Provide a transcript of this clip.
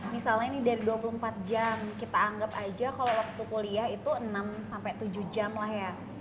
misalnya ini dari dua puluh empat jam kita anggap aja kalau waktu kuliah itu enam sampai tujuh jam lah ya